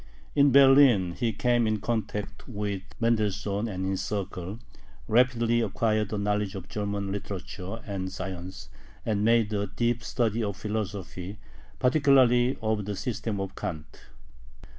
In Berlin he came in contact with Mendelssohn and his circle, rapidly acquired a knowledge of German literature and science, and made a deep study of philosophy, particularly of the system of Kant.